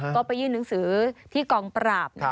ก็ไปยื่นหนังสือที่กองปราบ